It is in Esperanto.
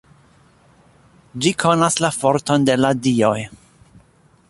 Ĝi konas la forton de la Dioj.